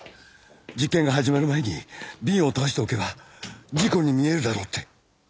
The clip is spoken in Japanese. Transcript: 実験が始まる前に瓶を倒しておけば事故に見えるだろうって。